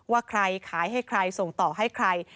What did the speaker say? ว่าใครขายให้ใครส่งต่อให้ใคร